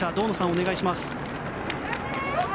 お願いします。